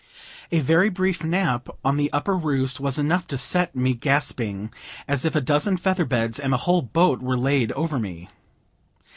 A very brief nap on the upper roost was enough to set me gasping as if a dozen feather beds and the whole boat were laid over me.